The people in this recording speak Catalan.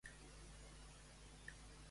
Quan comença a dedicar-se a la política?